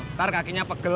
ntar kakinya pegel